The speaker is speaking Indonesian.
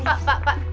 pak pak pak